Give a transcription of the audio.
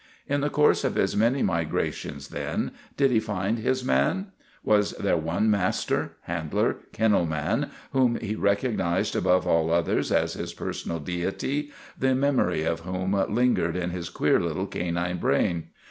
In the course of his many migrations, then, did he find his man? Was there one master, handler, kennel man whom he recognized above all others as his personal deity, the 294 THE RETURN OF THE CHAMPION memory of whom lingered in his queer little canine brain